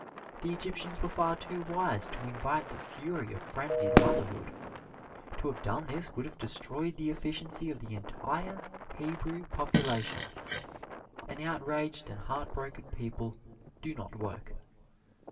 The Egyptians were far too wise to invite the fury of frenzied motherhood. To have done this would have destroyed the efficiency of the entire Hebrew population. An outraged and heartbroken people do not work.